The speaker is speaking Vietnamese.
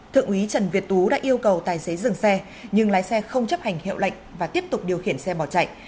thượng úy trần việt tú đã yêu cầu tài xế dừng xe nhưng lái xe không chấp hành hiệu lệnh và tiếp tục điều khiển xe bỏ chạy